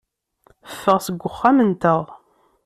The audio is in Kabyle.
Ffeɣ seg uxxam-nteɣ.